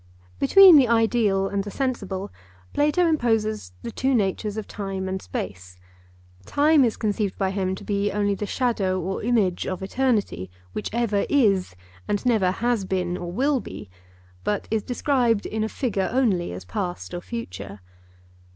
Between the ideal and the sensible Plato interposes the two natures of time and space. Time is conceived by him to be only the shadow or image of eternity which ever is and never has been or will be, but is described in a figure only as past or future.